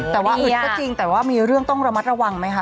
แต่ว่าอื่นก็จริงแต่ว่ามีเรื่องต้องระมัดระวังไหมคะ